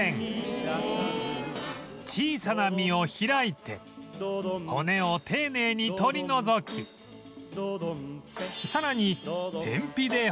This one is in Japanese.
小さな身を開いて骨を丁寧に取り除きさらに天日で干す